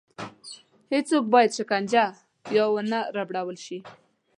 هېڅوک باید شکنجه یا ونه ربړول شي.